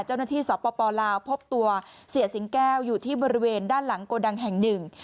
เจ้าหน้าที่สปปลาวพบตัวเสียสิงแก้วอยู่ที่บริเวณด้านหลังโกดังแห่ง๑